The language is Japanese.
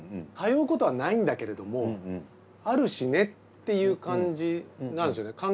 通うことはないんだけれどもあるしねっていう感じなんですよね